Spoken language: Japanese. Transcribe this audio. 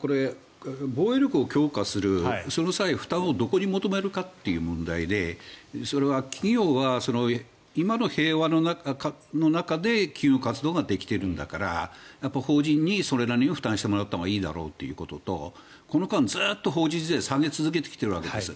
これ、防衛力を強化するその際、負担をどこに求めるかという問題でそれは企業は、今の平和の中で企業活動ができてるんだから法人にそれなりに負担をしてもらったほうがいいというのとこの間ずっと、法人税を下げ続けてきているわけです。